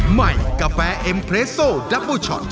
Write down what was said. ใหม่กาแฟเอ็มเรสโซดับเบอร์ช็อต